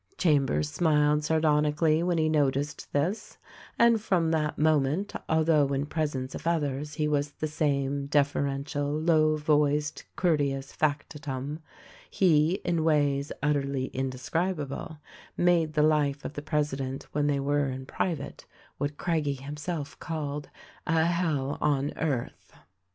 Chambers smiled sardonically when he noticed this ; and from that moment — although in presence of others he was the same deferential, low voiced, courteous factotum — he, in ways utterly indescribable, made the life of the president when they were in private, what Craggie himself called "A Hell on Earth."